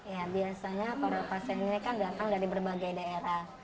ya biasanya para pasien ini kan datang dari berbagai daerah